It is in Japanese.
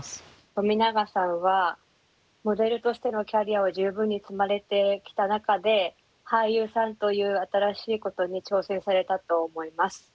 冨永さんはモデルとしてのキャリアを十分に積まれてきた中で俳優さんという新しいことに挑戦されたと思います。